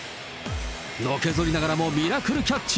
のけぞりながらもミラクルキャッチ。